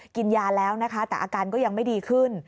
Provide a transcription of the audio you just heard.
กินยาแล้วนะคะแต่อาการก็ยังไม่ดีขึ้น